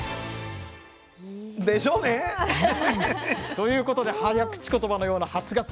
ということで早口ことばのような初がつおカツ